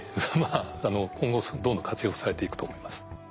あ今後どんどん活用されていくと思います。